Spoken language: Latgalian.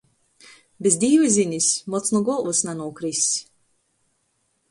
Bez Dīva zinis mots nu golvys nanūkriss.